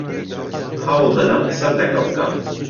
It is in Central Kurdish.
هەوڵ دەدەم قسەت لەگەڵ بکەم.